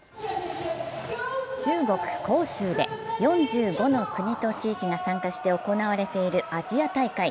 中国・杭州で４５の国と地域が参加して行われているアジア大会。